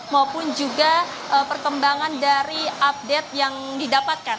maupun juga perkembangan dari update yang didapatkan